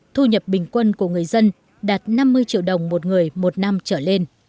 thu nhập bình quân của người dân đạt năm mươi triệu đồng một người một năm trở lên